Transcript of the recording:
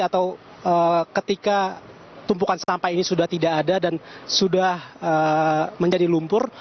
atau ketika tumpukan sampah ini sudah tidak ada dan sudah menjadi lumpur